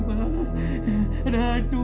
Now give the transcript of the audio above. mas ada hantu